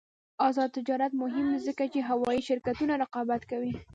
آزاد تجارت مهم دی ځکه چې هوايي شرکتونه رقابت کوي.